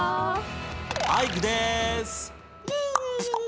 アイクです！